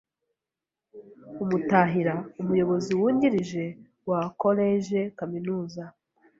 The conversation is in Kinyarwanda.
Umutahira: Umuyobozi wungirije wa koleje kaminuza